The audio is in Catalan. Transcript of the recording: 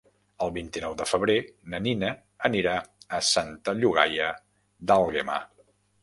El vint-i-nou de febrer na Nina anirà a Santa Llogaia d'Àlguema.